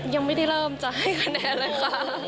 ยังไม่ได้เริ่มจะให้คะแนนเลยค่ะ